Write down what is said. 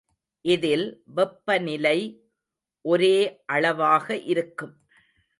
இதில் வெப்பநிலை ஒரே அளவாக இருக்கும்.